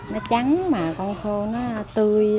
nó trắng mà con khô nó tươi